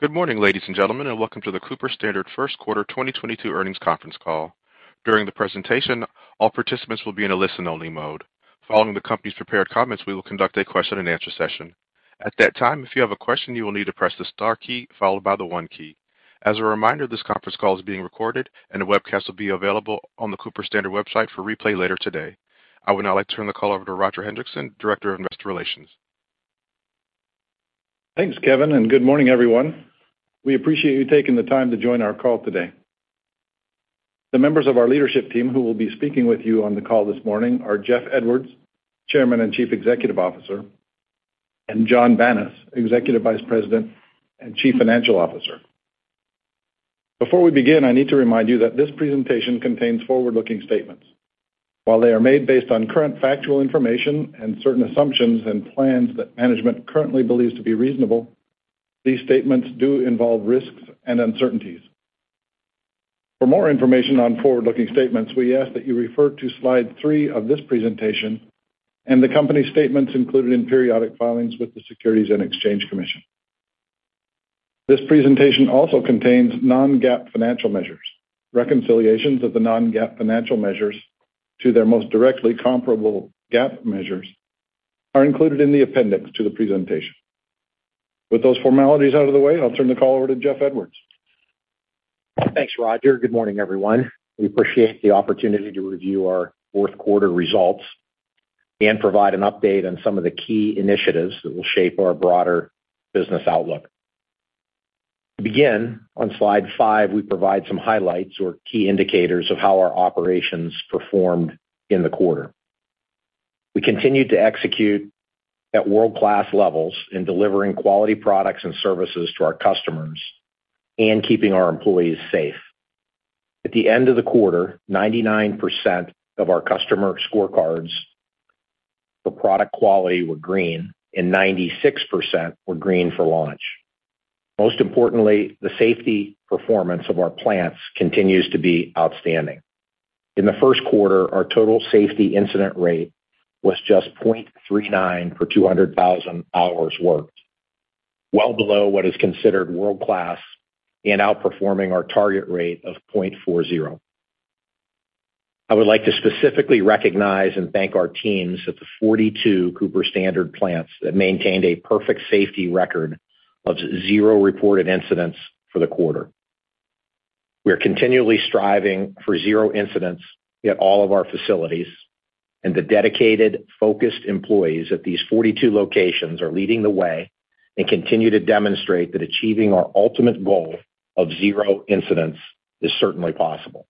Good morning, ladies and gentlemen, and welcome to the Cooper Standard first quarter 2022 earnings conference call. During the presentation, all participants will be in a listen-only mode. Following the company's prepared comments, we will conduct a question-and-answer session. At that time, if you have a question, you will need to press the star key followed by the one key. As a reminder, this conference call is being recorded, and a webcast will be available on the Cooper Standard website for replay later today. I would now like to turn the call over to Roger Hendriksen, Director of Investor Relations. Thanks, Kevin, and good morning, everyone. We appreciate you taking the time to join our call today. The members of our leadership team who will be speaking with you on the call this morning are Jeff Edwards, Chairman and Chief Executive Officer, and Jon Banas, Executive Vice President and Chief Financial Officer. Before we begin, I need to remind you that this presentation contains forward-looking statements. While they are made based on current factual information and certain assumptions and plans that management currently believes to be reasonable, these statements do involve risks and uncertainties. For more information on forward-looking statements, we ask that you refer to slide three of this presentation and the company statements included in periodic filings with the Securities and Exchange Commission. This presentation also contains non-GAAP financial measures. Reconciliations of the non-GAAP financial measures to their most directly comparable GAAP measures are included in the appendix to the presentation. With those formalities out of the way, I'll turn the call over to Jeff Edwards. Thanks, Roger. Good morning, everyone. We appreciate the opportunity to review our fourth quarter results and provide an update on some of the key initiatives that will shape our broader business outlook. To begin, on slide 5, we provide some highlights or key indicators of how our operations performed in the quarter. We continued to execute at world-class levels in delivering quality products and services to our customers and keeping our employees safe. At the end of the quarter, 99% of our customer scorecards for product quality were green and 96% were green for launch. Most importantly, the safety performance of our plants continues to be outstanding. In the first quarter, our total safety incident rate was just 0.39 for 200,000 hours worked, well below what is considered world-class and outperforming our target rate of 0.40. I would like to specifically recognize and thank our teams at the 42 Cooper Standard plants that maintained a perfect safety record of zero reported incidents for the quarter. We are continually striving for zero incidents at all of our facilities, and the dedicated, focused employees at these 42 locations are leading the way and continue to demonstrate that achieving our ultimate goal of zero incidents is certainly possible.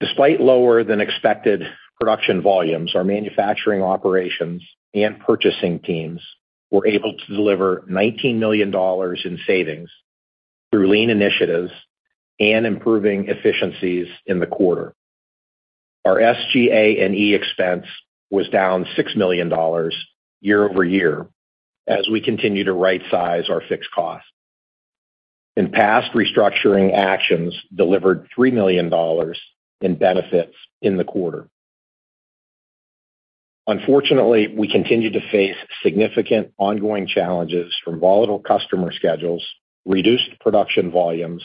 Despite lower than expected production volumes, our manufacturing operations and purchasing teams were able to deliver $19 million in savings through lean initiatives and improving efficiencies in the quarter. Our SG&A and E expense was down $6 million year-over-year as we continue to rightsize our fixed cost. Past restructuring actions delivered $3 million in benefits in the quarter. Unfortunately, we continue to face significant ongoing challenges from volatile customer schedules, reduced production volumes,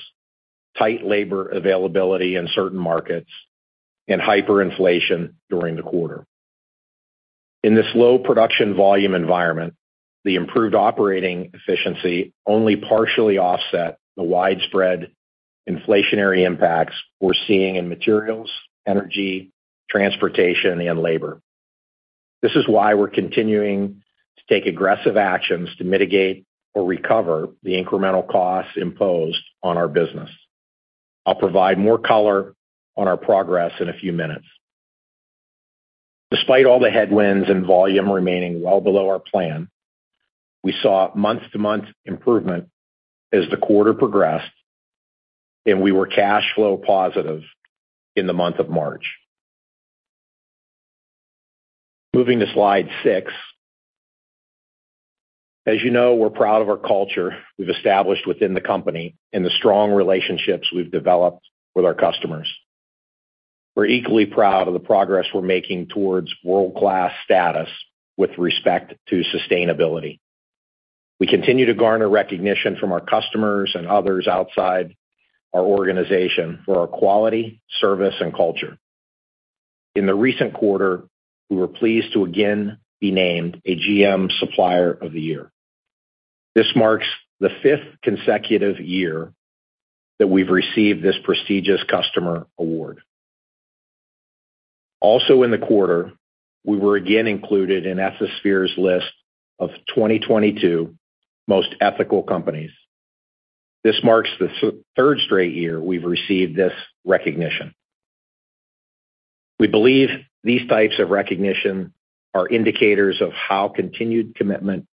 tight labor availability in certain markets, and hyperinflation during the quarter. In this low production volume environment, the improved operating efficiency only partially offset the widespread inflationary impacts we're seeing in materials, energy, transportation, and labor. This is why we're continuing to take aggressive actions to mitigate or recover the incremental costs imposed on our business. I'll provide more color on our progress in a few minutes. Despite all the headwinds and volume remaining well below our plan, we saw month-to-month improvement as the quarter progressed, and we were cash flow positive in the month of March. Moving to slide 6. As you know, we're proud of our culture we've established within the company and the strong relationships we've developed with our customers. We're equally proud of the progress we're making towards world-class status with respect to sustainability. We continue to garner recognition from our customers and others outside our organization for our quality, service, and culture. In the recent quarter, we were pleased to again be named a GM Supplier of the Year. This marks the fifth consecutive year that we've received this prestigious customer award. Also in the quarter, we were again included in Ethisphere's list of 2022 World's Most Ethical Companies. This marks the third straight year we've received this recognition. We believe these types of recognition are indicators of how continued commitment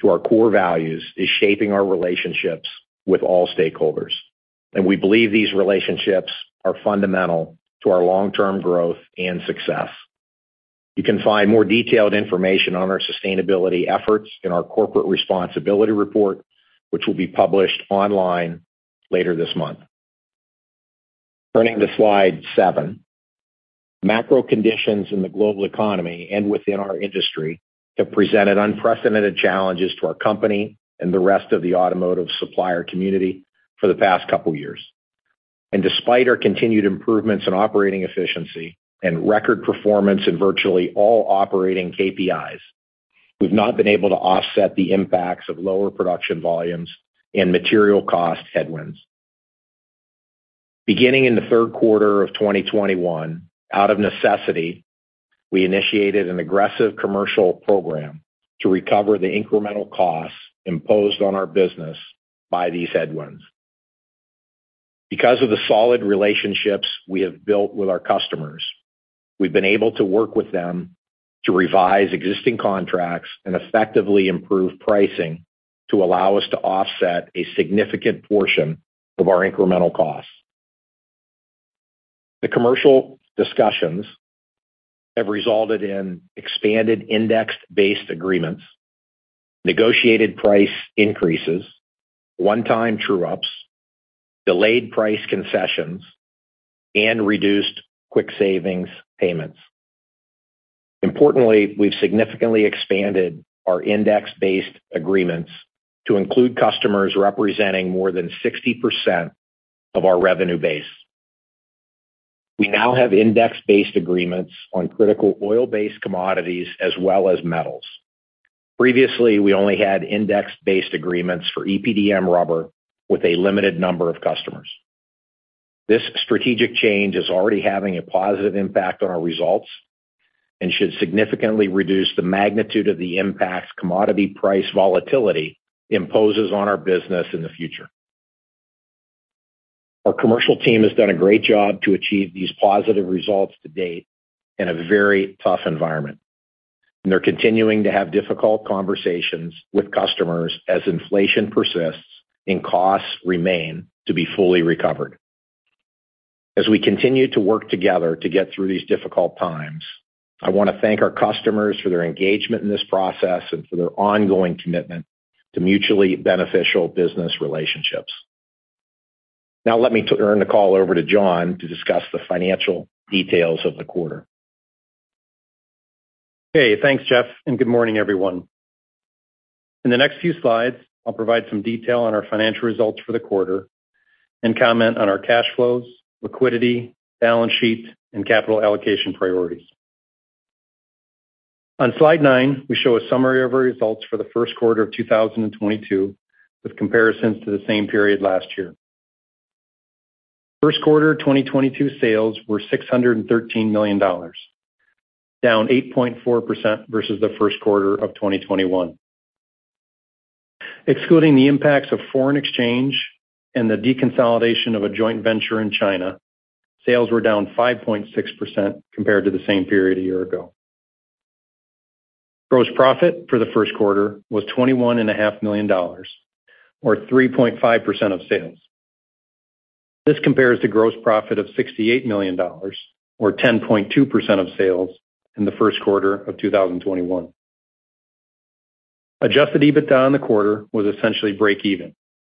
to our core values is shaping our relationships with all stakeholders, and we believe these relationships are fundamental to our long-term growth and success. You can find more detailed information on our sustainability efforts in our corporate responsibility report, which will be published online later this month. Turning to slide 7. Macro conditions in the global economy and within our industry have presented unprecedented challenges to our company and the rest of the automotive supplier community for the past couple years. Despite our continued improvements in operating efficiency and record performance in virtually all operating KPIs, we've not been able to offset the impacts of lower production volumes and material cost headwinds. Beginning in the third quarter of 2021, out of necessity, we initiated an aggressive commercial program to recover the incremental costs imposed on our business by these headwinds. Because of the solid relationships we have built with our customers, we've been able to work with them to revise existing contracts and effectively improve pricing to allow us to offset a significant portion of our incremental costs. The commercial discussions have resulted in expanded index-based agreements, negotiated price increases, one-time true-ups, delayed price concessions, and reduced quick savings payments. Importantly, we've significantly expanded our index-based agreements to include customers representing more than 60% of our revenue base. We now have index-based agreements on critical oil-based commodities as well as metals. Previously, we only had index-based agreements for EPDM rubber with a limited number of customers. This strategic change is already having a positive impact on our results and should significantly reduce the magnitude of the impacts commodity price volatility imposes on our business in the future. Our commercial team has done a great job to achieve these positive results to date in a very tough environment, and they're continuing to have difficult conversations with customers as inflation persists and costs remain to be fully recovered. As we continue to work together to get through these difficult times, I wanna thank our customers for their engagement in this process and for their ongoing commitment to mutually beneficial business relationships. Now let me turn the call over to Jon to discuss the financial details of the quarter. Hey, thanks, Jeff, and good morning, everyone. In the next few slides, I'll provide some detail on our financial results for the quarter and comment on our cash flows, liquidity, balance sheet, and capital allocation priorities. On slide 9, we show a summary of our results for the first quarter of 2022 with comparisons to the same period last year. First quarter 2022 sales were $613 million, down 8.4% versus the first quarter of 2021. Excluding the impacts of foreign exchange and the deconsolidation of a joint venture in China, sales were down 5.6% compared to the same period a year ago. Gross profit for the first quarter was $21 and a half million or 3.5% of sales. This compares to gross profit of $68 million or 10.2% of sales in the first quarter of 2021. Adjusted EBITDA in the quarter was essentially break even,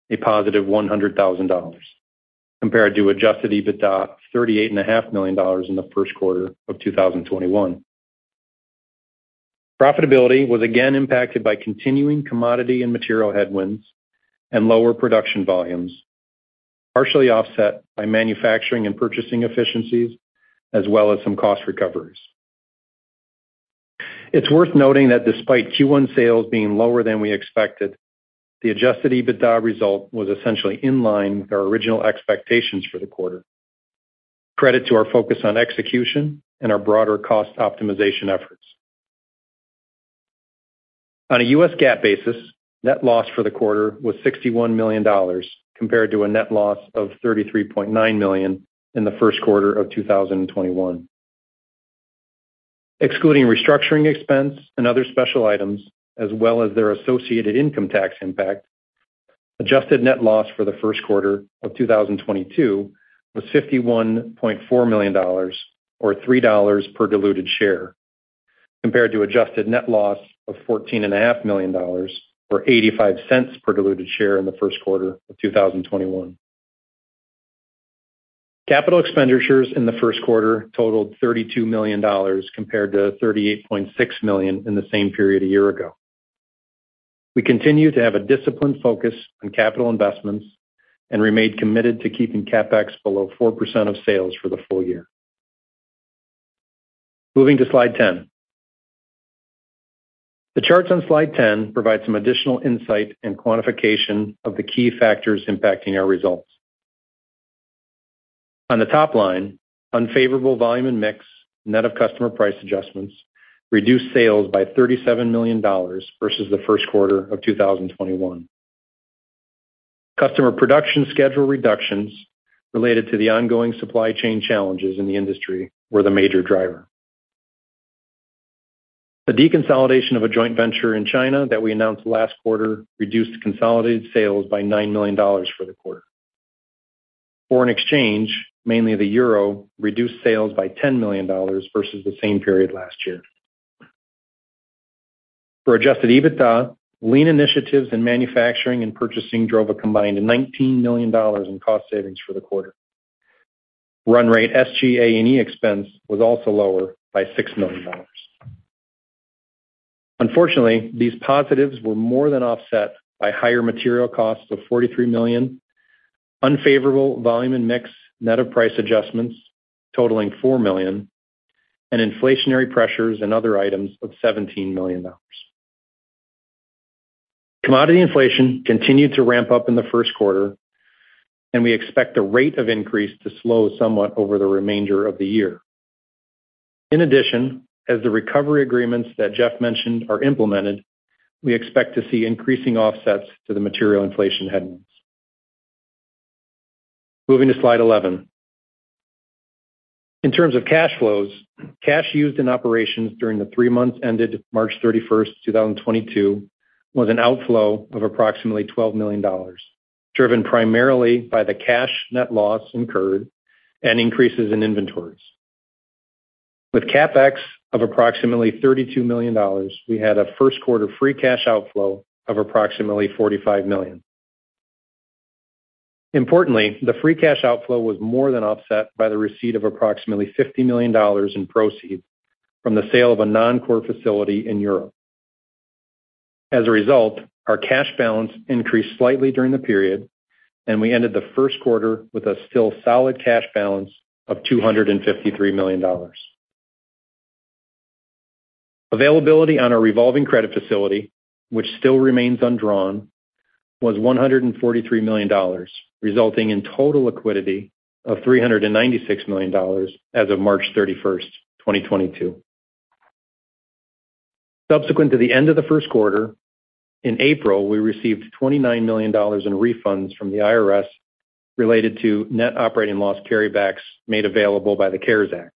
a positive $100,000, compared to adjusted EBITDA $38.5 million in the first quarter of 2021. Profitability was again impacted by continuing commodity and material headwinds and lower production volumes, partially offset by manufacturing and purchasing efficiencies as well as some cost recoveries. It's worth noting that despite Q1 sales being lower than we expected, the adjusted EBITDA result was essentially in line with our original expectations for the quarter. Credit to our focus on execution and our broader cost optimization efforts. On a U.S. GAAP basis, net loss for the quarter was $61 million compared to a net loss of $33.9 million in the first quarter of 2021. Excluding restructuring expense and other special items as well as their associated income tax impact, adjusted net loss for the first quarter of 2022 was $51.4 million or $3 per diluted share, compared to adjusted net loss of $14.5 million or $0.85 per diluted share in the first quarter of 2021. Capital expenditures in the first quarter totaled $32 million compared to $38.6 million in the same period a year ago. We continue to have a disciplined focus on capital investments and remain committed to keeping CapEx below 4% of sales for the full year. Moving to slide 10. The charts on slide 10 provide some additional insight and quantification of the key factors impacting our results. On the top line, unfavorable volume and mix, net of customer price adjustments, reduced sales by $37 million versus the first quarter of 2021. Customer production schedule reductions related to the ongoing supply chain challenges in the industry were the major driver. The deconsolidation of a joint venture in China that we announced last quarter reduced consolidated sales by $9 million for the quarter. Foreign exchange, mainly the euro, reduced sales by $10 million versus the same period last year. For adjusted EBITDA, lean initiatives in manufacturing and purchasing drove a combined $19 million in cost savings for the quarter. Run rate SG&A & E expense was also lower by $6 million. Unfortunately, these positives were more than offset by higher material costs of $43 million, unfavorable volume and mix net of price adjustments totaling $4 million, and inflationary pressures and other items of $17 million. Commodity inflation continued to ramp up in the first quarter, and we expect the rate of increase to slow somewhat over the remainder of the year. In addition, as the recovery agreements that Jeff mentioned are implemented, we expect to see increasing offsets to the material inflation headwinds. Moving to slide 11. In terms of cash flows, cash used in operations during the three months ended March 31, 2022, was an outflow of approximately $12 million, driven primarily by the cash net loss incurred and increases in inventories. With CapEx of approximately $32 million, we had a first quarter free cash outflow of approximately $45 million. Importantly, the free cash outflow was more than offset by the receipt of approximately $50 million in proceeds from the sale of a non-core facility in Europe. As a result, our cash balance increased slightly during the period, and we ended the first quarter with a still solid cash balance of $253 million. Availability on our revolving credit facility, which still remains undrawn, was $143 million, resulting in total liquidity of $396 million as of March 31, 2022. Subsequent to the end of the first quarter, in April, we received $29 million in refunds from the IRS related to net operating loss carrybacks made available by the CARES Act.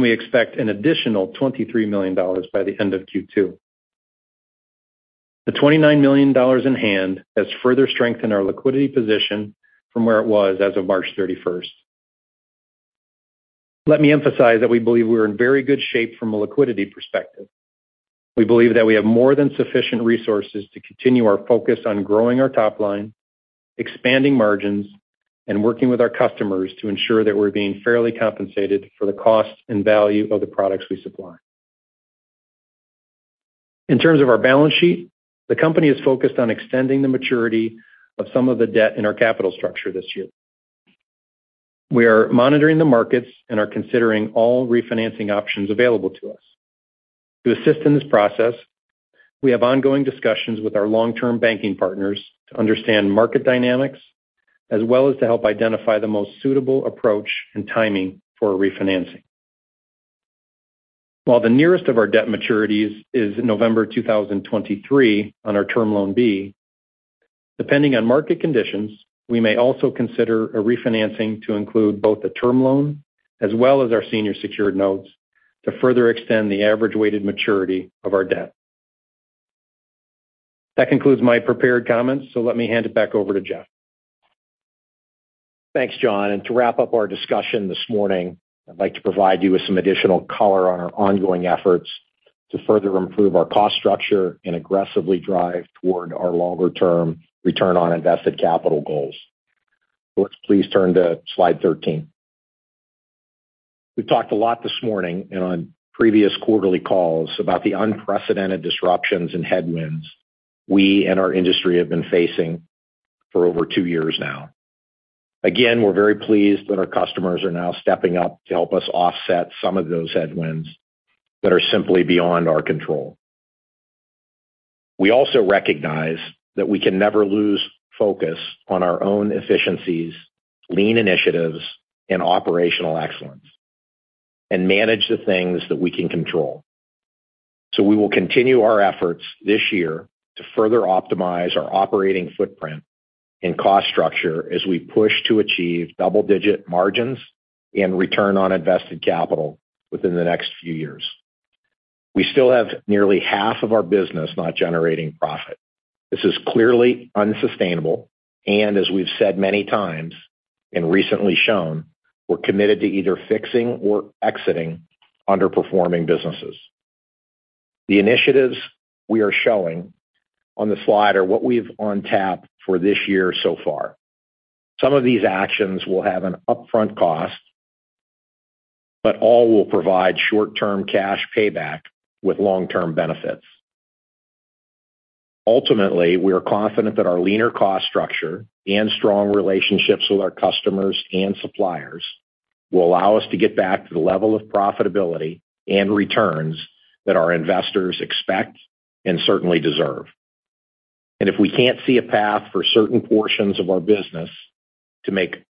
We expect an additional $23 million by the end of Q2. The $29 million in hand has further strengthened our liquidity position from where it was as of March 31st. Let me emphasize that we believe we're in very good shape from a liquidity perspective. We believe that we have more than sufficient resources to continue our focus on growing our top line, expanding margins, and working with our customers to ensure that we're being fairly compensated for the cost and value of the products we supply. In terms of our balance sheet, the company is focused on extending the maturity of some of the debt in our capital structure this year. We are monitoring the markets and are considering all refinancing options available to us. To assist in this process, we have ongoing discussions with our long-term banking partners to understand market dynamics, as well as to help identify the most suitable approach and timing for a refinancing. While the nearest of our debt maturities is November 2023 on our term loan B, depending on market conditions, we may also consider a refinancing to include both the term loan as well as our senior secured notes to further extend the average weighted maturity of our debt. That concludes my prepared comments, so let me hand it back over to Jeff. Thanks, Jon. To wrap up our discussion this morning, I'd like to provide you with some additional color on our ongoing efforts to further improve our cost structure and aggressively drive toward our longer-term return on invested capital goals. Let's please turn to slide 13. We've talked a lot this morning and on previous quarterly calls about the unprecedented disruptions and headwinds we and our industry have been facing for over two years now. Again, we're very pleased that our customers are now stepping up to help us offset some of those headwinds that are simply beyond our control. We also recognize that we can never lose focus on our own efficiencies, lean initiatives, and operational excellence, and manage the things that we can control. We will continue our efforts this year to further optimize our operating footprint and cost structure as we push to achieve double-digit margins and return on invested capital within the next few years. We still have nearly half of our business not generating profit. This is clearly unsustainable, and as we've said many times and recently shown, we're committed to either fixing or exiting underperforming businesses. The initiatives we are showing on the slide are what we've undertaken for this year so far. Some of these actions will have an upfront cost, but all will provide short-term cash payback with long-term benefits. Ultimately, we are confident that our leaner cost structure and strong relationships with our customers and suppliers will allow us to get back to the level of profitability and returns that our investors expect and certainly deserve. If we can't see a path for certain portions of our business to make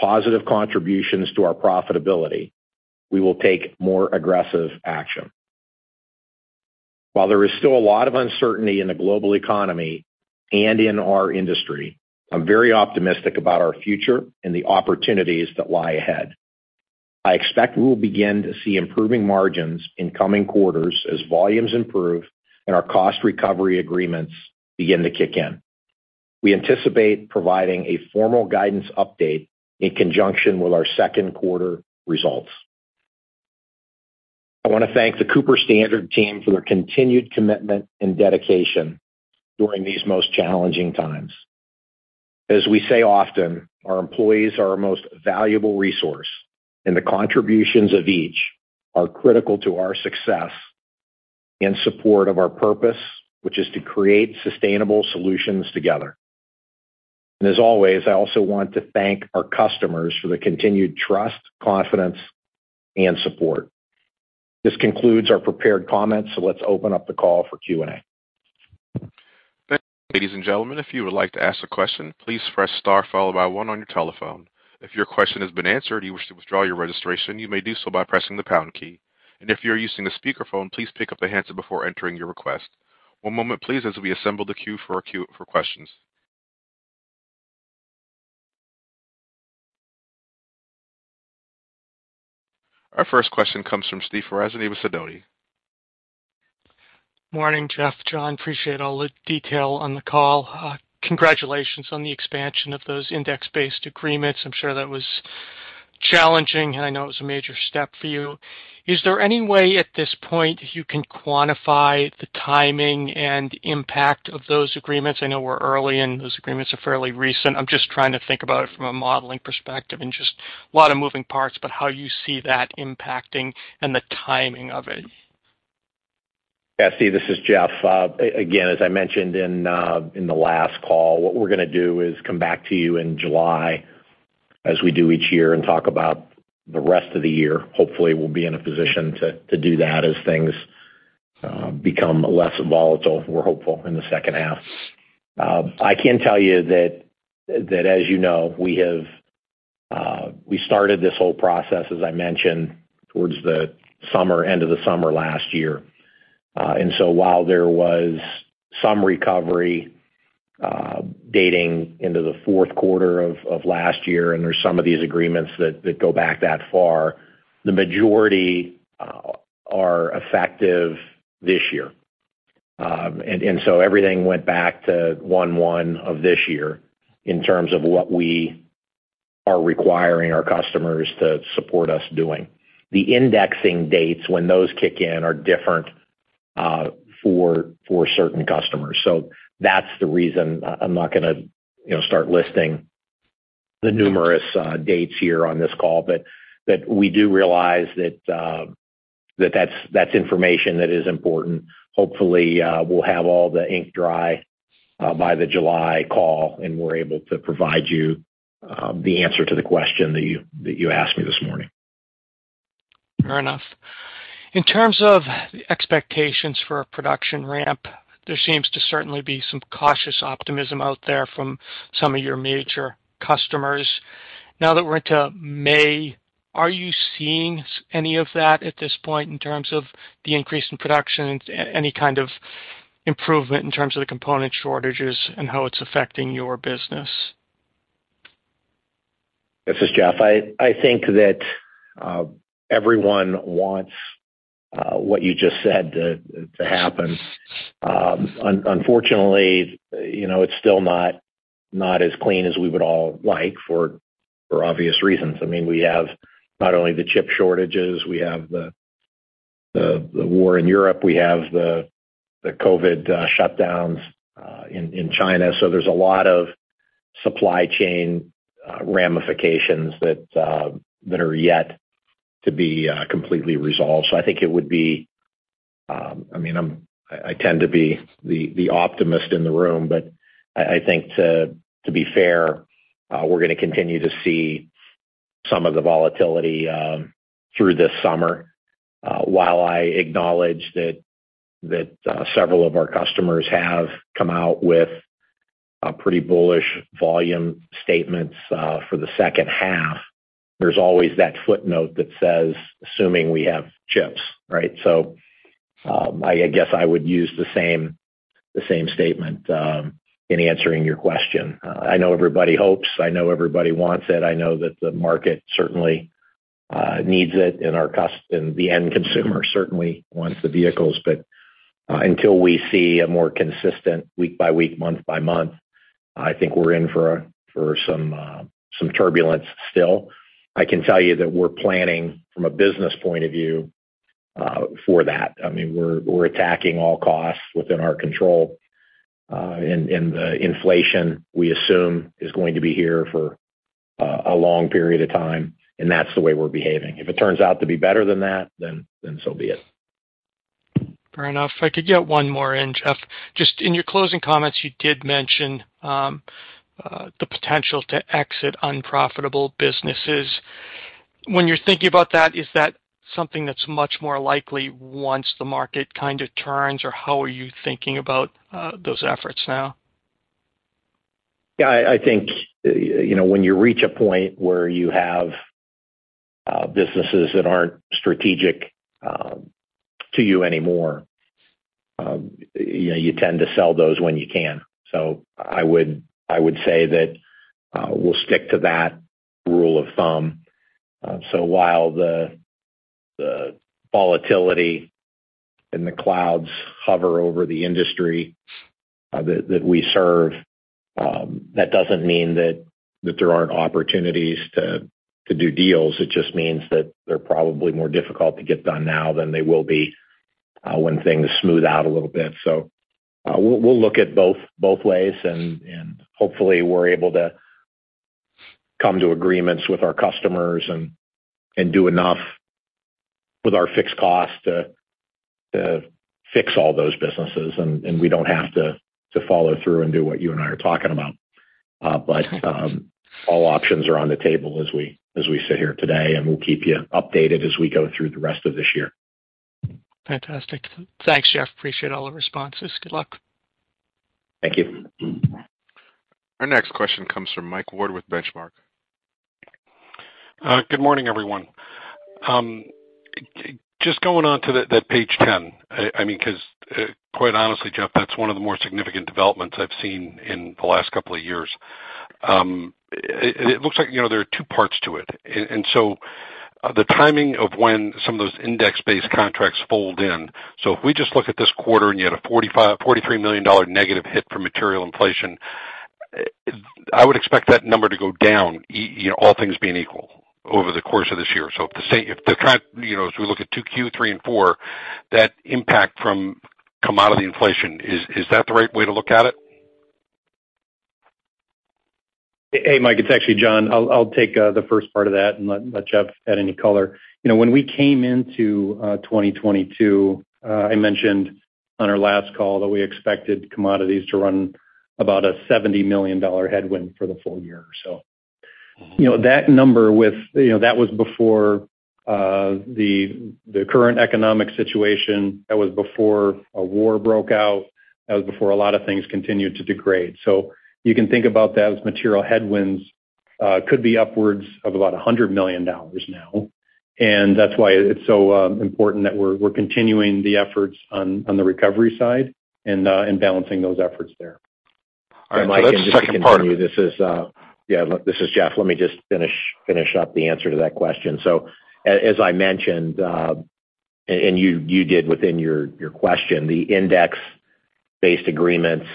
positive contributions to our profitability, we will take more aggressive action. While there is still a lot of uncertainty in the global economy and in our industry, I'm very optimistic about our future and the opportunities that lie ahead. I expect we will begin to see improving margins in coming quarters as volumes improve and our cost recovery agreements begin to kick in. We anticipate providing a formal guidance update in conjunction with our second quarter results. I wanna thank the Cooper Standard team for their continued commitment and dedication during these most challenging times. As we say often, our employees are our most valuable resource, and the contributions of each are critical to our success in support of our purpose, which is to create sustainable solutions together. As always, I also want to thank our customers for the continued trust, confidence, and support. This concludes our prepared comments. Let's open up the call for Q&A. Thank you. Ladies and gentlemen, if you would like to ask a question, please press * followed by 1 on your telephone. If your question has been answered, or you wish to withdraw your registration, you may do so by pressing the pound key. If you're using a speakerphone, please pick up the handset before entering your request. One moment please, as we assemble the queue for questions. Our first question comes from Steve Ferazani with Sidoti. Morning, Jeff, Jon. Appreciate all the detail on the call. Congratulations on the expansion of those index-based agreements. I'm sure that was challenging, and I know it was a major step for you. Is there any way at this point you can quantify the timing and impact of those agreements? I know we're early, and those agreements are fairly recent. I'm just trying to think about it from a modeling perspective and just a lot of moving parts, but how you see that impacting and the timing of it. Steve, this is Jeff. Again, as I mentioned in the last call, what we're gonna do is come back to you in July as we do each year and talk about the rest of the year. Hopefully, we'll be in a position to do that as things become less volatile. We're hopeful in the second half. I can tell you that as you know, we started this whole process, as I mentioned, towards the end of the summer last year. While there was some recovery dating into the fourth quarter of last year, and there's some of these agreements that go back that far, the majority are effective this year. Everything went back to 1/1 of this year in terms of what we are requiring our customers to support us doing. The indexing dates when those kick in are different for certain customers. That's the reason I'm not gonna, you know, start listing the numerous dates here on this call. We do realize that that's information that is important. Hopefully, we'll have all the ink dry by the July call, and we're able to provide you the answer to the question that you asked me this morning. Fair enough. In terms of expectations for a production ramp, there seems to certainly be some cautious optimism out there from some of your major customers. Now that we're into May, are you seeing any of that at this point in terms of the increase in production, any kind of improvement in terms of the component shortages and how it's affecting your business? This is Jeff. I think that everyone wants what you just said to happen. Unfortunately, you know, it's still not as clean as we would all like for obvious reasons. I mean, we have not only the chip shortages, we have the war in Europe. We have the COVID shutdowns in China. There's a lot of supply chain ramifications that are yet to be completely resolved. I think it would be, I mean, I tend to be the optimist in the room, but I think to be fair, we're gonna continue to see some of the volatility through this summer. While I acknowledge that several of our customers have come out with pretty bullish volume statements for the second half, there's always that footnote that says, assuming we have chips, right? I guess I would use the same statement in answering your question. I know everybody hopes, I know everybody wants it. I know that the market certainly needs it, and the end consumer certainly wants the vehicles. Until we see a more consistent week by week, month by month, I think we're in for some turbulence still. I can tell you that we're planning from a business point of view for that. I mean, we're attacking all costs within our control, and the inflation we assume is going to be here for a long period of time, and that's the way we're behaving. If it turns out to be better than that, then so be it. Fair enough. If I could get one more in, Jeff. Just in your closing comments, you did mention the potential to exit unprofitable businesses. When you're thinking about that, is that something that's much more likely once the market kinda turns, or how are you thinking about those efforts now? I think, you know, when you reach a point where you have businesses that aren't strategic to you anymore, you know, you tend to sell those when you can. I would say that we'll stick to that rule of thumb. While the volatility and the clouds hover over the industry that we serve. That doesn't mean that there aren't opportunities to do deals. It just means that they're probably more difficult to get done now than they will be when things smooth out a little bit. We'll look at both ways and hopefully we're able to come to agreements with our customers and do enough with our fixed cost to fix all those businesses, and we don't have to follow through and do what you and I are talking about. All options are on the table as we sit here today, and we'll keep you updated as we go through the rest of this year. Fantastic. Thanks, Jeff. Appreciate all the responses. Good luck. Thank you. Our next question comes from Mike Ward with Benchmark. Good morning, everyone. Just going on to that page 10. I mean, 'cause quite honestly, Jeff, that's one of the more significant developments I've seen in the last couple of years. It looks like, you know, there are two parts to it. The timing of when some of those index-based contracts fold in. If we just look at this quarter, and you had a $43 million negative hit from material inflation, I would expect that number to go down, you know, all things being equal over the course of this year. If the trend, you know, as we look at Q2, Q3 and Q4, that impact from commodity inflation, is that the right way to look at it? Hey, Mike, it's actually Jon. I'll take the first part of that and let Jeff add any color. You know, when we came into 2022, I mentioned on our last call that we expected commodities to run about a $70 million headwind for the full year or so. You know, that number with, you know, that was before the current economic situation. That was before a war broke out. That was before a lot of things continued to degrade. So you can think about that as material headwinds could be upwards of about a $100 million now. That's why it's so important that we're continuing the efforts on the recovery side and balancing those efforts there. All right. That second part of it. Mike, just to continue, this is Jeff. Let me just finish up the answer to that question. As I mentioned, and you did within your question, the index-based agreements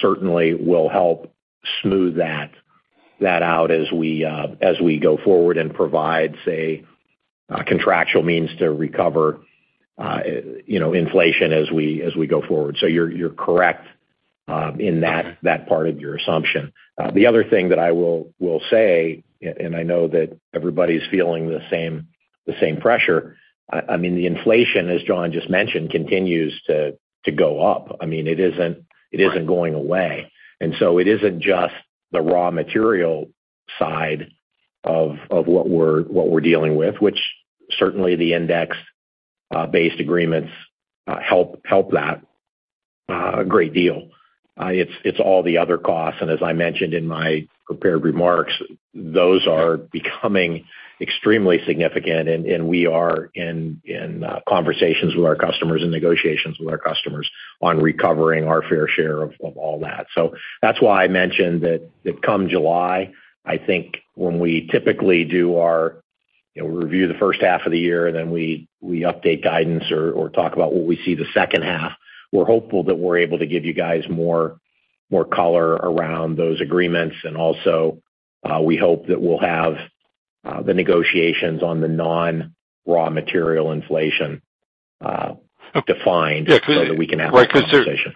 certainly will help smooth that out as we go forward and provide, say, contractual means to recover, you know, inflation as we go forward. You're correct in that part of your assumption. The other thing that I will say, and I know that everybody's feeling the same pressure. I mean, the inflation, as Jon just mentioned, continues to go up. I mean, it isn't going away. It isn't just the raw material side of what we're dealing with, which certainly the index-based agreements help that a great deal. It's all the other costs. As I mentioned in my prepared remarks, those are becoming extremely significant, and we are in conversations with our customers and negotiations with our customers on recovering our fair share of all that. That's why I mentioned that come July, I think when we typically do our, you know, review the first half of the year, then we update guidance or talk about what we see the second half. We're hopeful that we're able to give you guys more color around those agreements. Also, we hope that we'll have the negotiations on the non-raw material inflation defined so that we can have that conversation.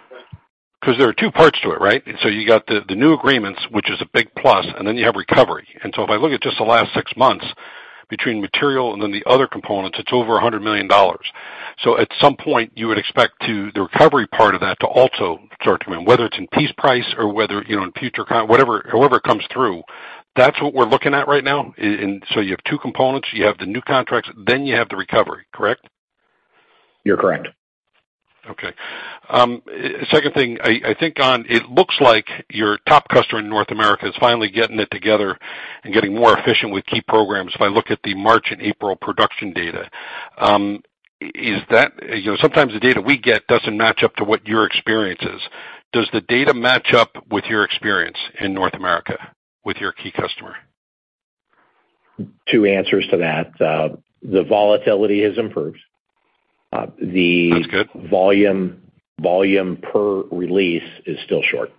'Cause there are two parts to it, right? You got the new agreements, which is a big plus, and then you have recovery. If I look at just the last six months between material and then the other components, it's over $100 million. At some point, you would expect the recovery part of that to also start to come in, whether it's in piece price or whether, you know, in future whatever, however it comes through. That's what we're looking at right now? You have two components. You have the new contracts, then you have the recovery, correct? You're correct. Second thing, I think it looks like your top customer in North America is finally getting it together and getting more efficient with key programs if I look at the March and April production data. You know, sometimes the data we get doesn't match up to what your experience is. Does the data match up with your experience in North America with your key customer? Two answers to that. The volatility has improved. That's good. Volume per release is still short.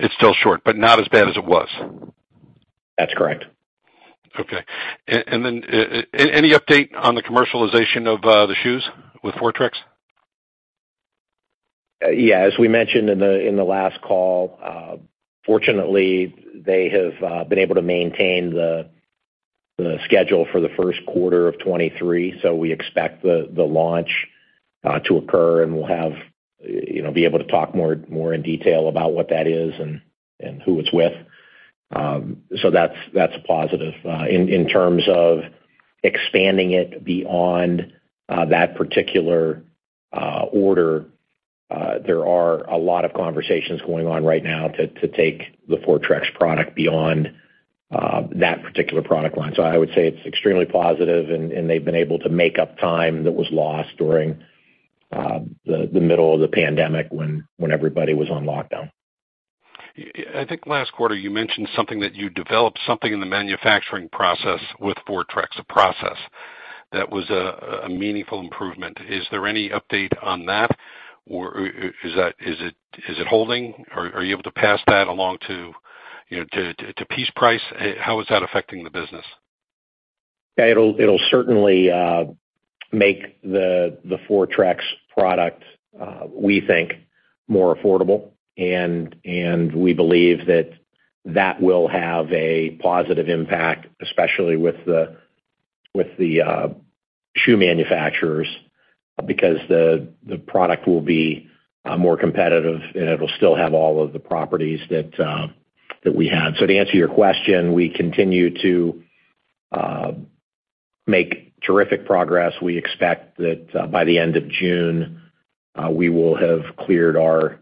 It's still short, but not as bad as it was. That's correct. Okay. Any update on the commercialization of the shoes with Fortrex™? As we mentioned in the last call, fortunately, they have been able to maintain the schedule for the first quarter of 2023. We expect the launch to occur, and we'll have, you know, be able to talk more in detail about what that is and who it's with. That's a positive. In terms of expanding it beyond that particular order, there are a lot of conversations going on right now to take the Fortrex™ product beyond that particular product line. I would say it's extremely positive and they've been able to make up time that was lost during the middle of the pandemic when everybody was on lockdown. I think last quarter you mentioned something that you developed in the manufacturing process with Fortrex, a process that was a meaningful improvement. Is there any update on that, or is it holding? Are you able to pass that along to, you know, to piece price? How is that affecting the business? It'll certainly make the Fortrex™ product we think more affordable. We believe that will have a positive impact, especially with the shoe manufacturers, because the product will be more competitive, and it'll still have all of the properties that we had. To answer your question, we continue to make terrific progress. We expect that by the end of June we will have cleared our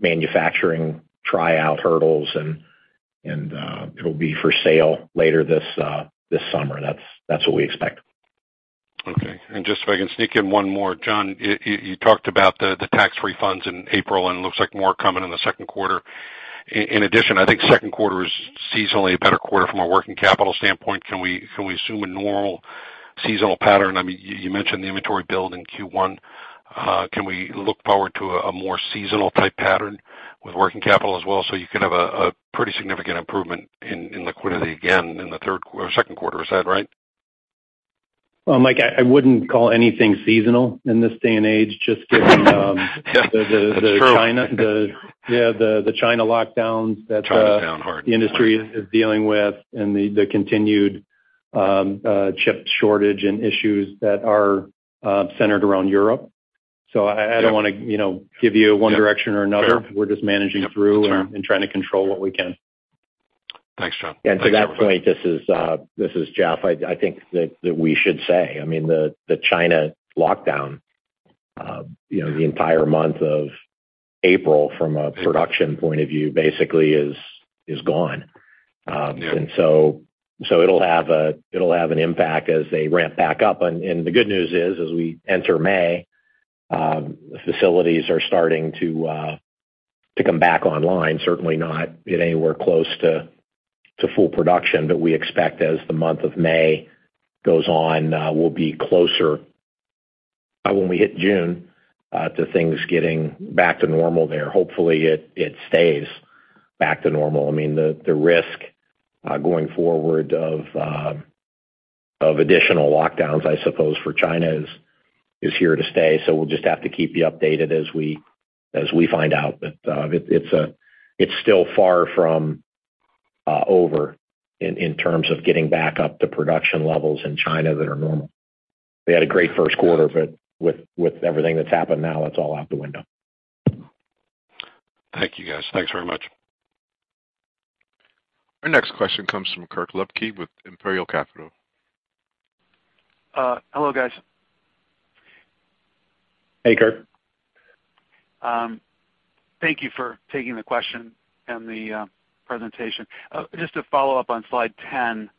manufacturing tryout hurdles, and it'll be for sale later this summer. That's what we expect. Okay. Just so I can sneak in one more. Jon, you talked about the tax refunds in April, and it looks like more coming in the second quarter. In addition, I think second quarter is seasonally a better quarter from a working capital standpoint. Can we assume a normal seasonal pattern? I mean, you mentioned the inventory build in Q1. Can we look forward to a more seasonal type pattern with working capital as well, so you could have a pretty significant improvement in liquidity again in the second quarter. Is that right? Well, Mike, I wouldn't call anything seasonal in this day and age, just given. That's true. The China lockdowns that China's down hard. The industry is dealing with and the continued chip shortage and issues that are centered around Europe. Don't wanna, you know, give you one direction or another. Sure. We're just managing through. Sure. trying to control what we can. Thanks, Jon. To that point, this is Jeff. I think that we should say, I mean, the China lockdown, you know, the entire month of April from a production point of view basically is gone. It'll have an impact as they ramp back up. The good news is, as we enter May, facilities are starting to come back online. Certainly not anywhere close to full production, but we expect as the month of May goes on, we'll be closer when we hit June to things getting back to normal there. Hopefully it stays back to normal. I mean, the risk going forward of additional lockdowns, I suppose, for China is here to stay. We'll just have to keep you updated as we find out. But it's still far from over in terms of getting back up to production levels in China that are normal. They had a great first quarter, but with everything that's happened now, it's all out the window. Thank you, guys. Thanks very much. Our next question comes from Kirk Ludtke with Imperial Capital. Hello, guys. Hey, Kirk. Thank you for taking the question and the presentation. Just to follow up on slide 10.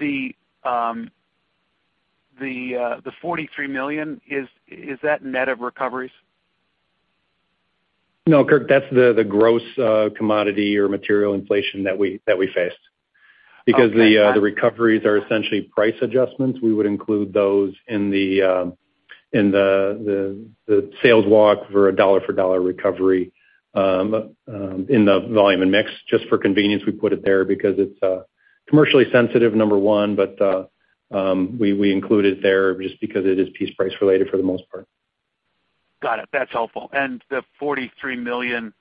The $43 million, is that net of recoveries? No, Kirk, that's the gross commodity or material inflation that we faced. Okay. Because the recoveries are essentially price adjustments. We would include those in the sales walk for a dollar for dollar recovery in the volume and mix. Just for convenience, we put it there because it's commercially sensitive, number one, but we include it there just because it is piece price related for the most part. Got it. That's helpful. The $43 million,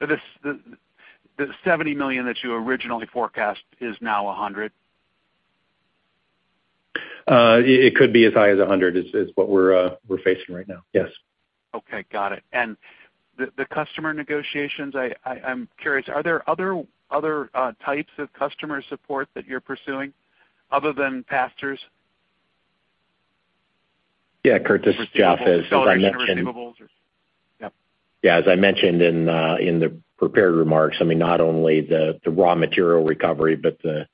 the $70 million that you originally forecast is now $100 million? It could be as high as 100 is what we're facing right now. Yes. Okay, got it. The customer negotiations, I'm curious, are there other types of customer support that you're pursuing other than pass-throughs? Kirk, this is Jeff. As I mentioned. Receivables or accelerations of receivables. As I mentioned in the prepared remarks, I mean, not only the raw material recovery, but the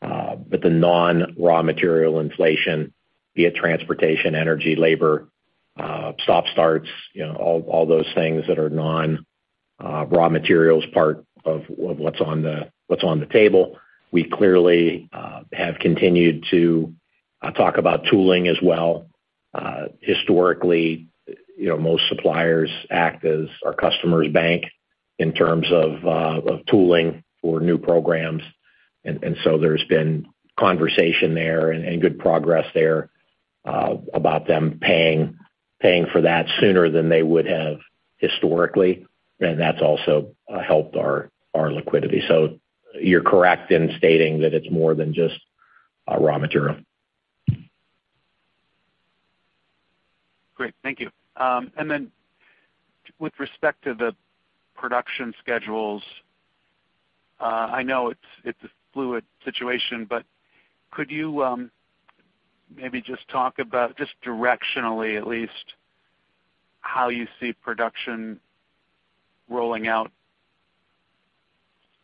non-raw material inflation via transportation, energy, labor, stop starts, you know, all those things that are non raw materials part of what's on the table. We clearly have continued to talk about tooling as well. Historically, you know, most suppliers act as our customer's bank in terms of tooling for new programs. there's been conversation there and good progress there about them paying for that sooner than they would have historically. that's also helped our liquidity. you're correct in stating that it's more than just raw material. Great. Thank you. Then with respect to the production schedules, I know it's a fluid situation, but could you maybe just talk about just directionally at least, how you see production rolling out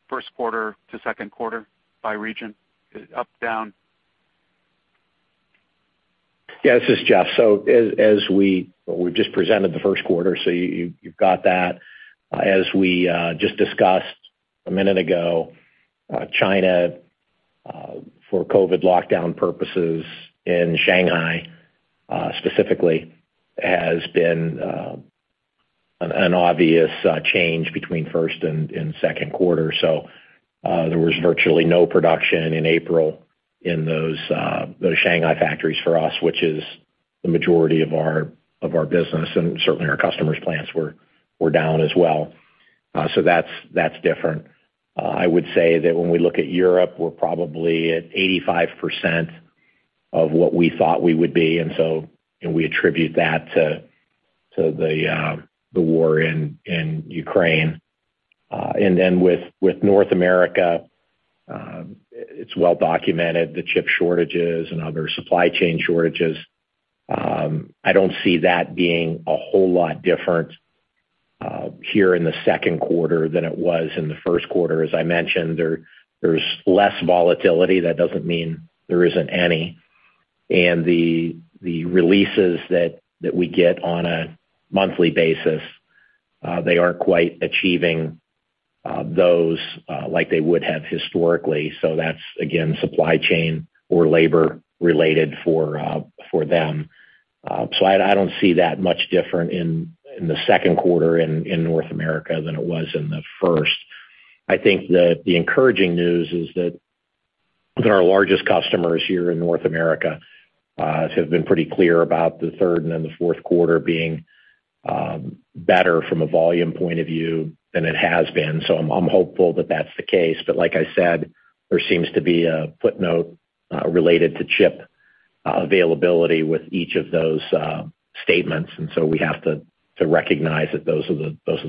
first quarter to second quarter by region, up, down? This is Jeff. We've just presented the first quarter, so you've got that. As we just discussed a minute ago, China for COVID lockdown purposes in Shanghai specifically has been an obvious change between first and second quarter. There was virtually no production in April in those Shanghai factories for us, which is the majority of our business, and certainly our customers' plants were down as well. That's different. I would say that when we look at Europe, we're probably at 85% of what we thought we would be, and we attribute that to the war in Ukraine. Then with North America, it's well documented, the chip shortages and other supply chain shortages. I don't see that being a whole lot different here in the second quarter than it was in the first quarter. As I mentioned, there's less volatility. That doesn't mean there isn't any. The releases that we get on a monthly basis, they aren't quite achieving those like they would have historically. That's, again, supply chain or labor related for them. I don't see that much different in the second quarter in North America than it was in the first. I think that the encouraging news is that our largest customers here in North America have been pretty clear about the third and the fourth quarter being better from a volume point of view than it has been. I'm hopeful that that's the case. Like I said, there seems to be a footnote related to chip availability with each of those statements. We have to recognize that those are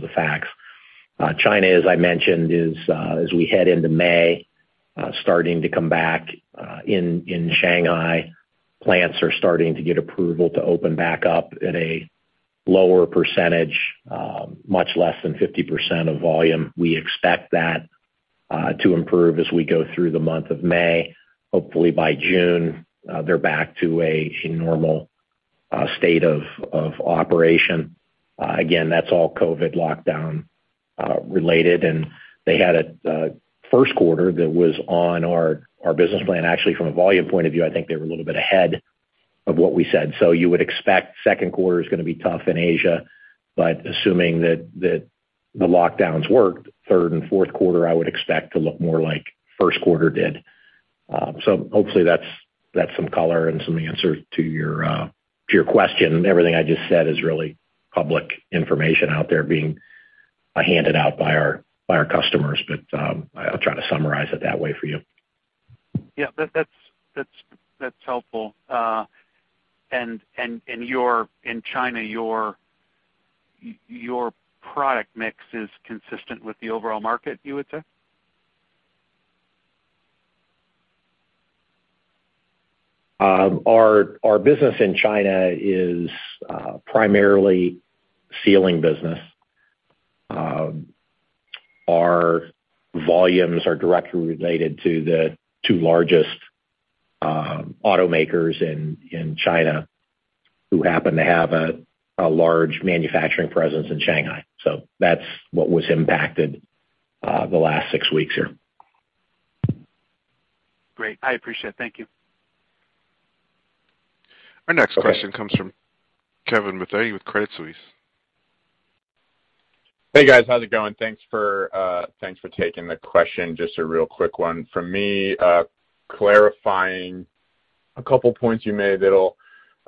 the facts. China, as I mentioned, is as we head into May, starting to come back in Shanghai. Plants are starting to get approval to open back up at a lower percentage, much less than 50% of volume. We expect that to improve as we go through the month of May. Hopefully by June, they're back to a normal state of operation. Again, that's all COVID lockdown related. They had a first quarter that was on our business plan. Actually, from a volume point of view, I think they were a little bit ahead of what we said. You would expect second quarter is gonna be tough in Asia, but assuming that the lockdowns work, third and fourth quarter, I would expect to look more like first quarter did. Hopefully that's some color and some answer to your question. Everything I just said is really public information out there being handed out by our customers. I'll try to summarize it that way for you. That's helpful. In China, your product mix is consistent with the overall market, you would say? Our business in China is primarily sealing business. Our volumes are directly related to the two largest automakers in China, who happen to have a large manufacturing presence in Shanghai. That's what was impacted, the last six weeks here. Great. I appreciate it. Thank you. Our next question comes from Kevin McVeigh with Credit Suisse. Hey, guys. How's it going? Thanks for taking the question. Just a real quick one from me, clarifying a couple points you made that'll,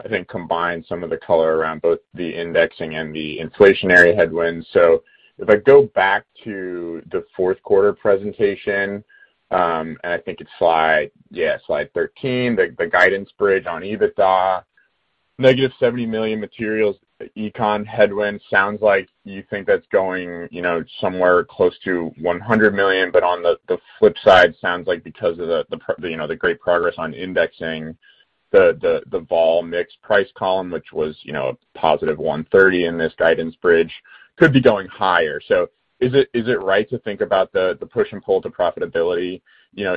I think, combine some of the color around both the indexing and the inflationary headwinds. If I go back to the fourth quarter presentation, and I think it's slide,, slide 13, the guidance bridge on EBITDA, negative $70 million materials economic headwind sounds like you think that's going, you know, somewhere close to $100 million. On the flip side, sounds like because of you know, the great progress on indexing, the vol mix price column, which was, you know, positive 130 in this guidance bridge, could be going higher. Is it right to think about the push and pull to profitability, you know,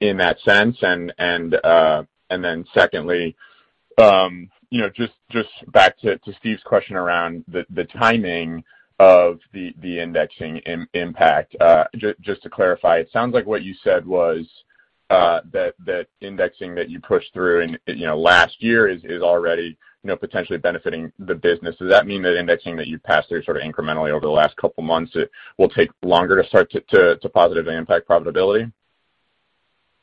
in that sense? Secondly, you know, just back to Steve's question around the timing of the indexing impact. Just to clarify, it sounds like what you said was that indexing that you pushed through in, you know, last year is already, you know, potentially benefiting the business. Does that mean that indexing that you've passed through sort of incrementally over the last couple months, it will take longer to start to positively impact profitability?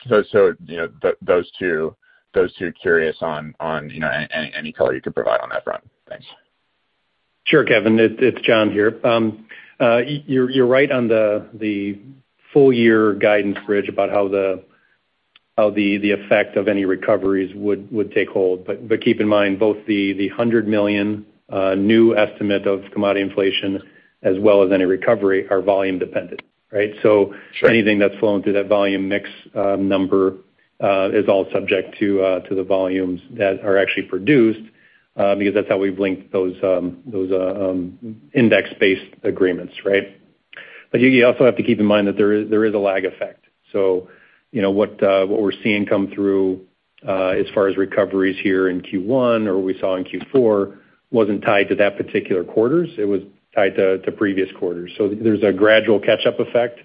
You know, those two, curious on, you know, any color you could provide on that front. Thanks. Sure, Kevin. It's Jon here. You're right on the full year guidance bridge about how the effect of any recoveries would take hold. Keep in mind both the $100 million new estimate of commodity inflation as well as any recovery are volume dependent, right? Sure. Anything that's flowing through that volume mix, number, is all subject to the volumes that are actually produced, because that's how we've linked those index-based agreements, right? You also have to keep in mind that there is a lag effect. You know, what we're seeing come through, as far as recoveries here in Q1 or we saw in Q4 wasn't tied to that particular quarters, it was tied to previous quarters. There's a gradual catch-up effect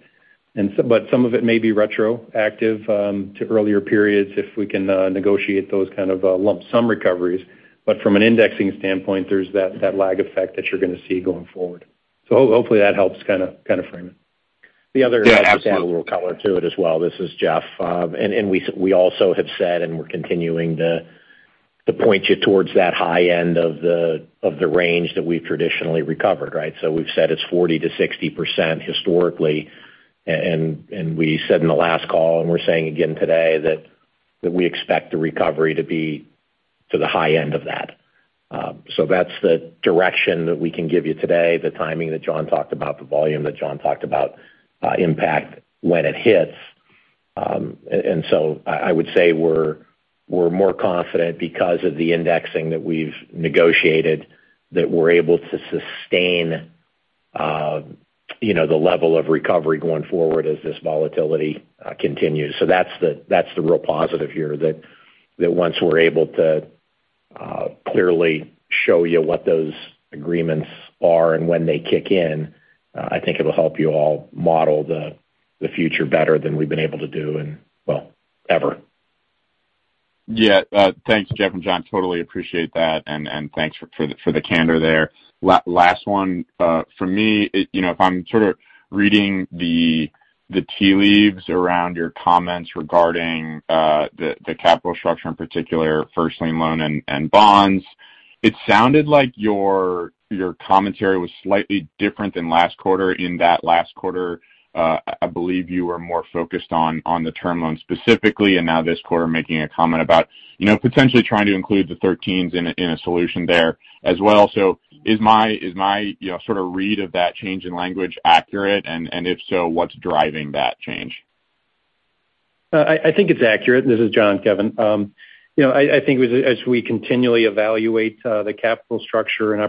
and some of it may be retroactive to earlier periods if we can negotiate those kind of lump sum recoveries. From an indexing standpoint, there's that lag effect that you're gonna see going forward. Hopefully that helps kinda frame it. The other- ,Absolutely. To add a little color to it as well. This is Jeff. We also have said, and we're continuing to point you towards that high end of the range that we've traditionally recovered, right? We've said it's 40%-60% historically, and we said in the last call, and we're saying again today that we expect the recovery to be to the high end of that. That's the direction that we can give you today, the timing that Jon talked about, the volume that Jon talked about, impact when it hits. I would say we're more confident because of the indexing that we've negotiated, that we're able to sustain, you know, the level of recovery going forward as this volatility continues. That's the real positive here that once we're able to clearly show you what those agreements are and when they kick in, I think it'll help you all model the future better than we've been able to do in, well, ever. Thanks, Jeff and Jon. Totally appreciate that, and thanks for the candor there. Last one for me, you know, if I'm sort of reading the tea leaves around your comments regarding the capital structure, in particular first lien loan and bonds, it sounded like your commentary was slightly different than last quarter in that last quarter, I believe you were more focused on the term loan specifically, and now this quarter making a comment about, you know, potentially trying to include the thirteens in a solution there as well. Is my sort of read of that change in language accurate? And if so, what's driving that change? I think it's accurate. This is Jon, Kevin. You know, I think as we continually evaluate the capital structure and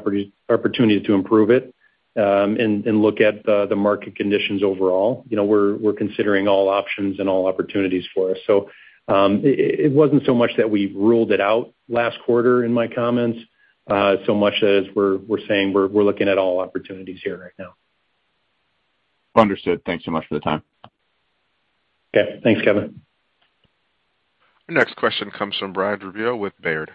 opportunity to improve it and look at the market conditions overall, you know, we're considering all options and all opportunities for us. It wasn't so much that we ruled it out last quarter in my comments, so much as we're saying we're looking at all opportunities here right now. Understood. Thanks so much for the time. Okay. Thanks, Kevin. Our next question comes from Brian DiRubbio with Baird.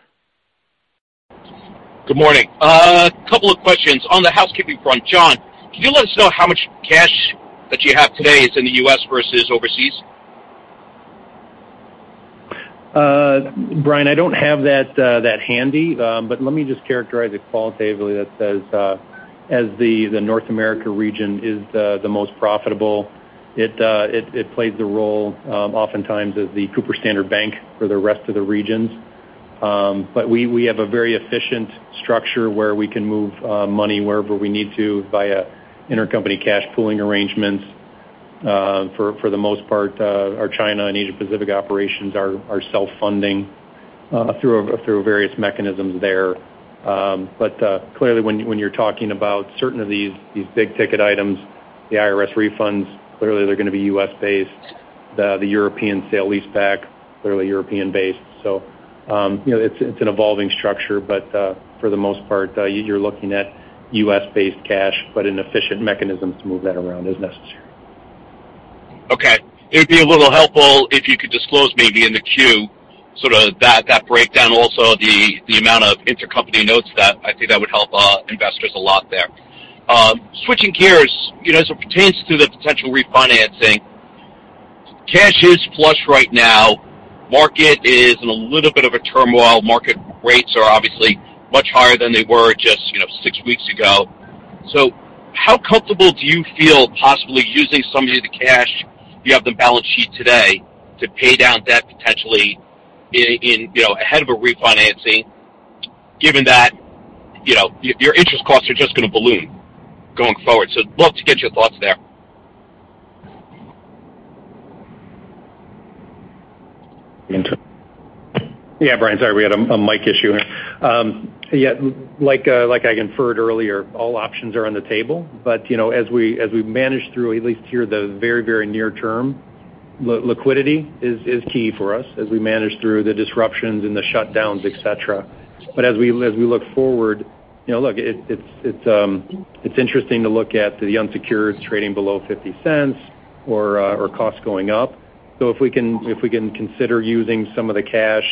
Good morning. Couple of questions. On the housekeeping front, Jon, can you let us know how much cash that you have today is in the U.S. versus overseas? Brian, I don't have that handy. Let me just characterize it qualitatively that says, as the North America region is the most profitable, it plays a role oftentimes as the Cooper Standard bank for the rest of the regions. We have a very efficient structure where we can move money wherever we need to via intercompany cash pooling arrangements. For the most part, our China and Asia Pacific operations are self-funding through various mechanisms there. Clearly when you're talking about certain of these big ticket items, the IRS refunds, clearly they're gonna be U.S.-based. The European sale-leaseback, clearly European-based. You know, it's an evolving structure, but for the most part, you're looking at U.S.-based cash, but an efficient mechanism to move that around as necessary. Okay. It'd be a little helpful if you could disclose maybe in the queue sort of that breakdown, also the amount of intercompany notes that I think that would help investors a lot there. Switching gears, you know, as it pertains to the potential refinancing, cash is flush right now. Market is in a little bit of a turmoil. Market rates are obviously much higher than they were just, you know, six weeks ago. How comfortable do you feel possibly using some of the cash you have in the balance sheet today to pay down debt potentially in, you know, ahead of a refinancing given that, you know, your interest costs are just gonna balloon going forward? I'd love to get your thoughts there. Brian, sorry. We had a mic issue., like I inferred earlier, all options are on the table. You know, as we manage through at least here the very, very near term, liquidity is key for us as we manage through the disruptions and the shutdowns, et cetera. As we look forward, you know, it's interesting to look at the unsecured trading below $0.50 or costs going up. If we can consider using some of the cash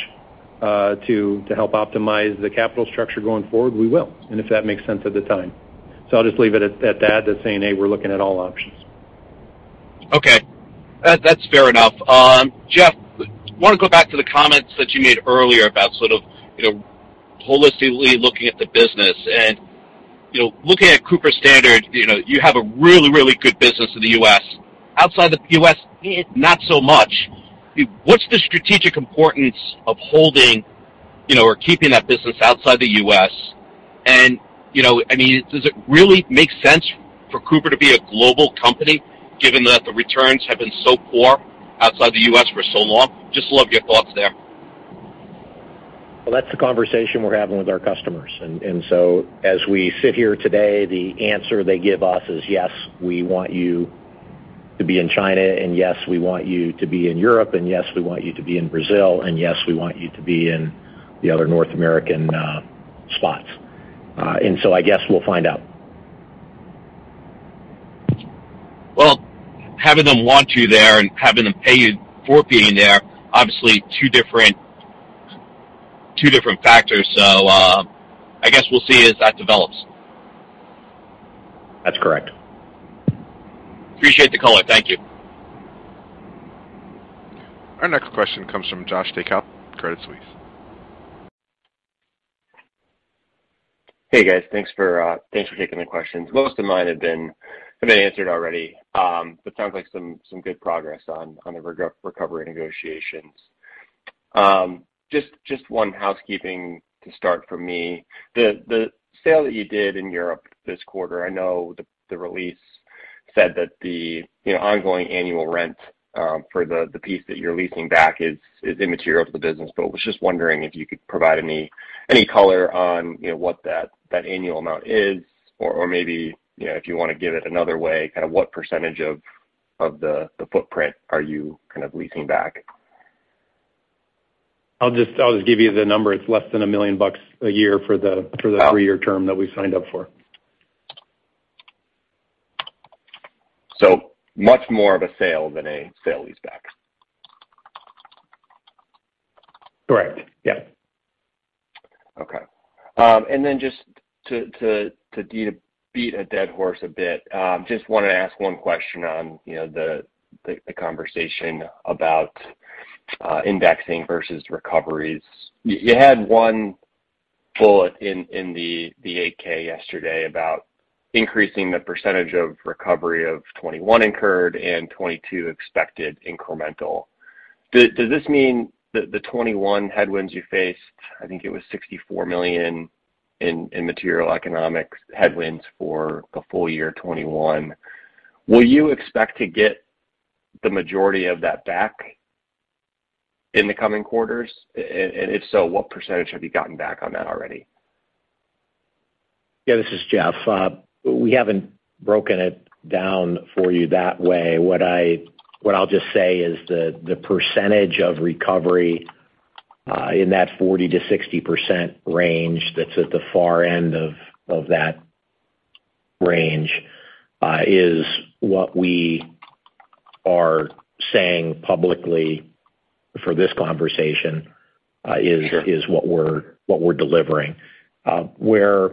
to help optimize the capital structure going forward, we will, and if that makes sense at the time. I'll just leave it at that, just saying, "Hey, we're looking at all options. Okay. That's fair enough. Jeff, wanna go back to the comments that you made earlier about sort of, you know, holistically looking at the business and, you know, looking at Cooper Standard, you know, you have a really good business in the U.S. Outside the U.S., not so much. What's the strategic importance of holding, you know, or keeping that business outside the U.S.? And, you know, I mean, does it really make sense for Cooper to be a global company given that the returns have been so poor outside the U.S. for so long? Just love your thoughts there. Well, that's the conversation we're having with our customers. As we sit here today, the answer they give us is, yes, we want you to be in China, and yes, we want you to be in Europe, and yes, we want you to be in Brazil, and yes, we want you to be in the other North American spots. I guess we'll find out. Well, having them want you there and having them pay you for being there, obviously two different factors. I guess we'll see as that develops. That's correct. Appreciate the call. Thank you. Our next question comes from Josh Klein, Credit Suisse. Hey, guys. Thanks for taking the questions. Most of mine have been answered already. Sounds like some good progress on the recovery negotiations. Just one housekeeping to start for me. The sale that you did in Europe this quarter, I know the release said that the, you know, ongoing annual rent for the piece that you're leasing back is immaterial to the business, but was just wondering if you could provide any color on, you know, what that annual amount is or maybe, you know, if you wanna give it another way, kind of what percentage of the footprint are you kind of leasing back? I'll just give you the number. It's less than $1 million a year for the 3-year term that we signed up for. Much more of a sale than a sale-leaseback. Correct. Okay. Just to beat a dead horse a bit, just wanna ask one question on, you know, the conversation about indexing versus recoveries. You had one bullet in the 8-K yesterday about increasing the percentage of recovery of 2021 incurred and 2022 expected incremental. Does this mean that the 2021 headwinds you faced, I think it was $64 million in material economics headwinds for the full year 2021, will you expect to get the majority of that back in the coming quarters? And if so, what percentage have you gotten back on that already? This is Jeff. We haven't broken it down for you that way. What I'll just say is the percentage of recovery in that 40%-60% range that's at the far end of that range is what we are saying publicly for this conversation is what we're delivering. Where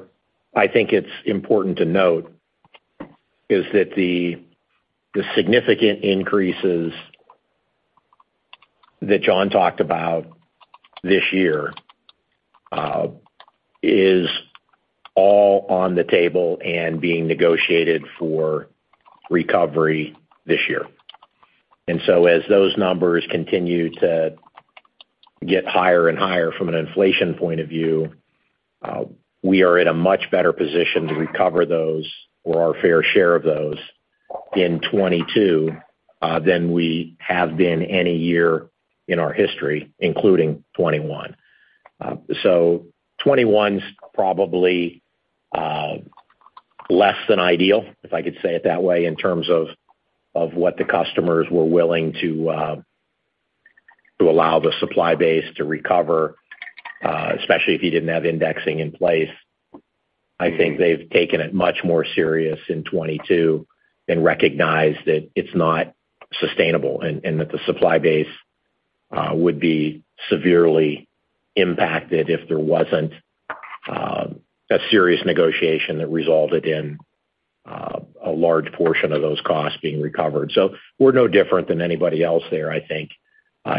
I think it's important to note is that the significant increases that Jon talked about this year is all on the table and being negotiated for recovery this year. As those numbers continue to get higher and higher from an inflation point of view, we are in a much better position to recover those or our fair share of those in 2022 than we have been any year in our history, including 2021. 2021's probably less than ideal, if I could say it that way, in terms of what the customers were willing to allow the supply base to recover, especially if you didn't have indexing in place. I think they've taken it much more serious in 2022 and recognized that it's not sustainable and that the supply base would be severely impacted if there wasn't a serious negotiation that resulted in a large portion of those costs being recovered. We're no different than anybody else there, I think,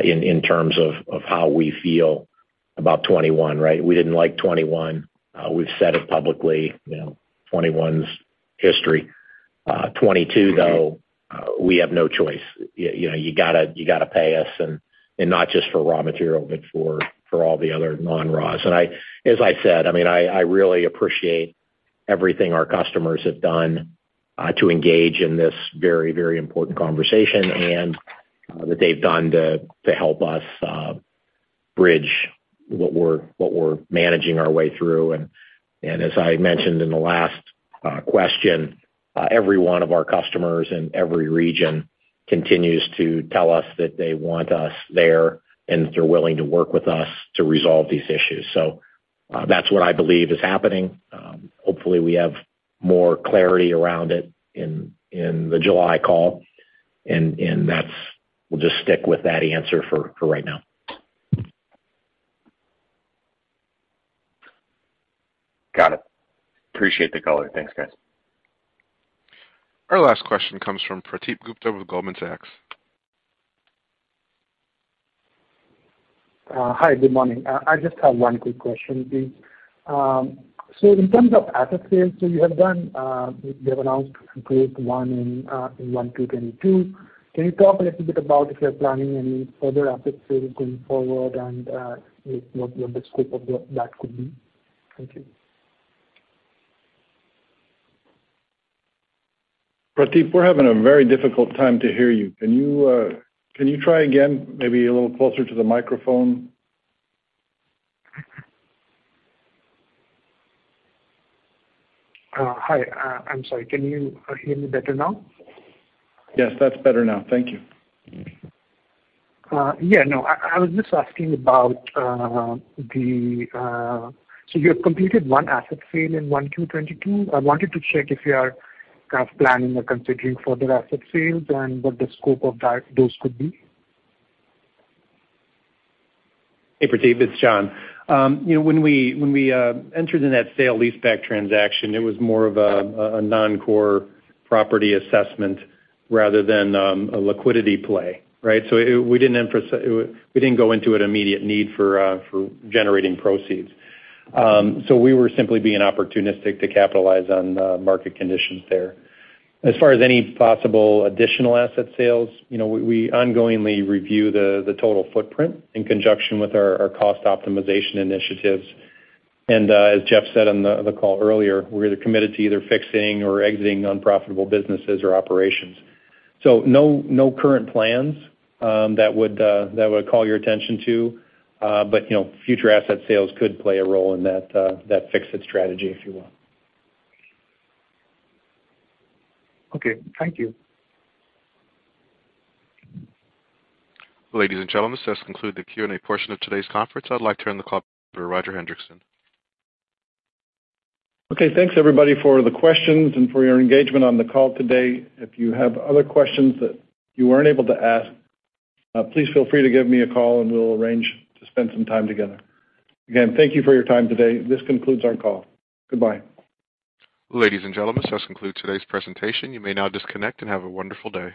in terms of how we feel about 2021, right? We didn't like 2021. We've said it publicly, you know, 2021's history. 2022 though, we have no choice. You know, you gotta pay us and not just for raw material, but for all the other non-raws. As I said, I mean, I really appreciate everything our customers have done to engage in this very, very important conversation and what they've done to help us bridge what we're managing our way through. As I mentioned in the last question, every one of our customers in every region continues to tell us that they want us there and that they're willing to work with us to resolve these issues. That's what I believe is happening. Hopefully we have more clarity around it in the July call and we'll just stick with that answer for right now. Got it. Appreciate the color. Thanks, guys. Our last question comes from Prateek Gupta with Goldman Sachs. good morning. I just have one quick question please. So in terms of asset sales that you have done, you have announced completion of one in 1Q 2022. Can you talk a little bit about if you are planning any further asset sales going forward and what the scope of that could be? Thank you. Prateek, we're having a very difficult time to hear you. Can you try again maybe a little closer to the microphone? I'm sorry. Can you hear me better now? Yes, that's better now. Thank you. I was just asking about you have completed one asset sale in 1Q 2022. I wanted to check if you are kind of planning or considering further asset sales and what the scope of those could be. Hey, Prateek. It's Jon. You know, when we entered in that sale-leaseback transaction, it was more of a non-core property assessment rather than a liquidity play, right? We didn't emphasize. We didn't go into an immediate need for generating proceeds. So we were simply being opportunistic to capitalize on the market conditions there. As far as any possible additional asset sales, you know, we ongoingly review the total footprint in conjunction with our cost optimization initiatives. As Jeff said on the call earlier, we're committed to either fixing or exiting unprofitable businesses or operations. No current plans that would call your attention to, but you know, future asset sales could play a role in that fix-it strategy, if you will. Okay, thank you. Ladies and gentlemen, this does conclude the Q&A portion of today's conference. I'd like to turn the call back over to Roger Hendriksen. Okay, thanks everybody for the questions and for your engagement on the call today. If you have other questions that you weren't able to ask, please feel free to give me a call, and we'll arrange to spend some time together. Again, thank you for your time today. This concludes our call. Goodbye. Ladies and gentlemen, this does conclude today's presentation. You may now disconnect and have a wonderful day.